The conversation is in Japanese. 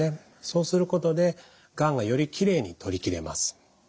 そうすることでがんがよりきれいに取りきれます。